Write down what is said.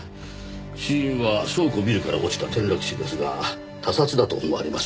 死因は倉庫ビルから落ちた転落死ですが他殺だと思われます。